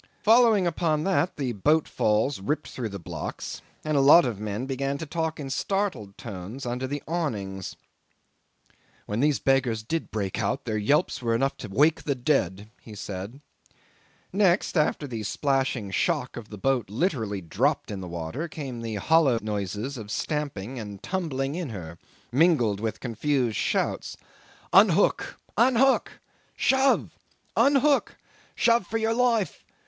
Following upon that the boat falls ripped through the blocks, and a lot of men began to talk in startled tones under the awnings. "When these beggars did break out, their yelps were enough to wake the dead," he said. Next, after the splashing shock of the boat literally dropped in the water, came the hollow noises of stamping and tumbling in her, mingled with confused shouts: "Unhook! Unhook! Shove! Unhook! Shove for your life!